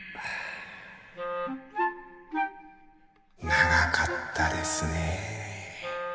長かったですね